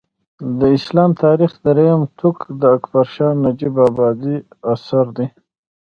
د اسلام تاریخ درېیم ټوک د اکبر شاه نجیب ابادي اثر دی